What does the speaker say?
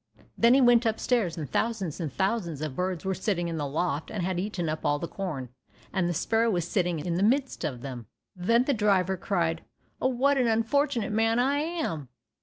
Then he went upstairs, and thousands and thousands of birds were sitting in the loft and had eaten up all the corn, and the sparrow was sitting in the midst of them. Then the driver cried, "Oh, what an unfortunate man I am?"